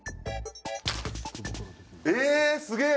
ええ、すげえ！